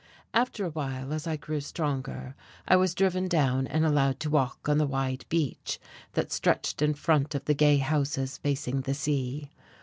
After a while, as I grew stronger, I was driven down and allowed to walk on the wide beach that stretched in front of the gay houses facing the sea.